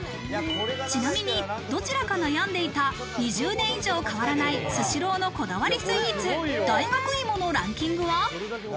ちなみにどちらか悩んでいた、２０年以上変わらないスシローのこだわりスイーツ、大学いものランキングは。